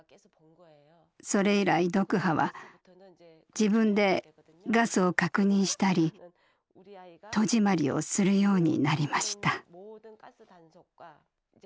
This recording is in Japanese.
それ以来ドクハは自分でガスを確認したり戸締まりをするようになりました。